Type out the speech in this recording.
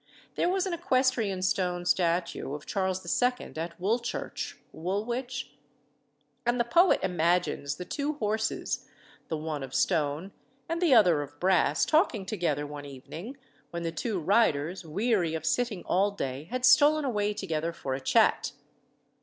There was an equestrian stone statue of Charles II. at Woolchurch (Woolwich?), and the poet imagines the two horses, the one of stone and the other of brass, talking together one evening, when the two riders, weary of sitting all day, had stolen away together for a chat.